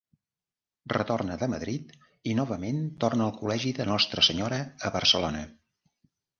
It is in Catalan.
Retorna de Madrid i novament torna al col·legi de Nostra Senyora a Barcelona.